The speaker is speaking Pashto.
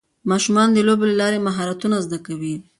ماشومان د لوبو له لارې مهارتونه زده کوي